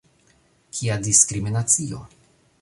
Kia diskriminacio